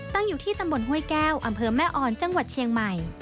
อยู่ที่ตำบลห้วยแก้วอำเภอแม่อ่อนจังหวัดเชียงใหม่